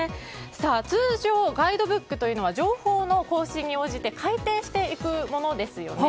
通常、ガイドブックというのは情報の更新に応じて改定していくものですよね。